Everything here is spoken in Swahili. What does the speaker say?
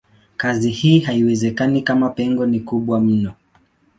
Kazi hii haiwezekani kama pengo ni kubwa mno.